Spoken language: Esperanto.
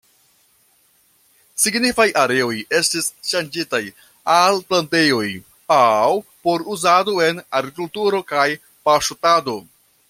Signifaj areoj estis ŝanĝitaj al plantejoj, aŭ por uzado en agrikulturo kaj paŝtado.